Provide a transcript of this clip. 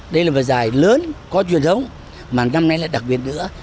đây là một giải lớn có truyền thống mà năm nay lại đặc biệt nữa